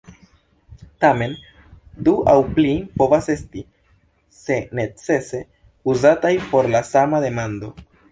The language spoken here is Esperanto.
Tamen, du aŭ pli povas esti, se necese, uzataj por la sama demando.